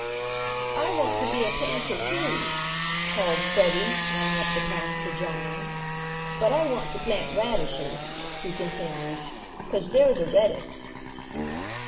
"I want to be a planter too," called Freddie, running up the path to John. "But I want to plant radishes," he continued, "'cause they're the reddist."